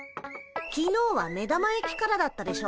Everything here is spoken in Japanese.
きのうは目玉焼きからだったでしょ。